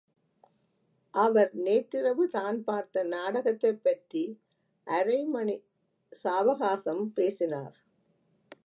அவர் நேற்றிரவு தான் பார்த்த நாடகத்தைப்பற்றி அரை மணி சாவகாசம் பேசினார்.